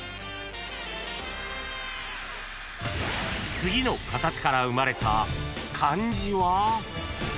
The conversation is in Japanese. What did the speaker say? ［次の形から生まれた漢字は？］